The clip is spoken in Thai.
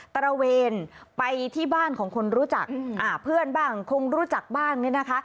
ตระเวนไปที่บ้านของคนรู้จักเพื่อนบ้างคงรู้จักบ้างเนี่ยนะคะ